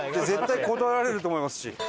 絶対断られると思いますし。